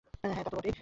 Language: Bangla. হ্যাঁ, তা তো বটেই।